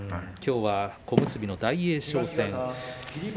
きょうは小結の大栄翔戦。